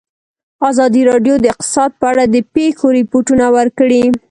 ازادي راډیو د اقتصاد په اړه د پېښو رپوټونه ورکړي.